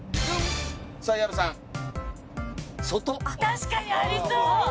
確かにありそう！